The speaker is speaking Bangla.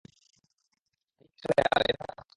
নিজে আগে সেটেল হয়ে নাও, এ ব্যাপারে পরে সেটেল করা যাবে।